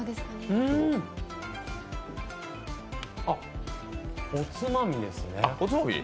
うん、あっおつまみですね。